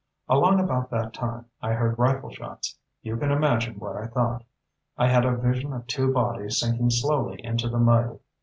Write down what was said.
"Along about that time, I heard rifleshots. You can imagine what I thought. I had a vision of two bodies sinking slowly into the mud.